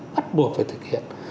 bắt buộc phải thực hiện